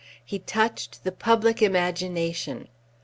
He touched the public imagination.